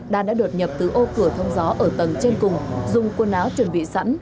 đan đã đột nhập từ ô cửa thông gió ở tầng trên cùng dùng quần áo chuẩn bị sẵn